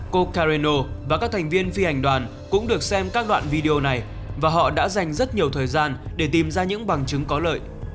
cocareno và các thành viên phi hành đoàn cũng được xem các đoạn video này và họ đã dành rất nhiều thời gian để tìm ra những bằng chứng có lợi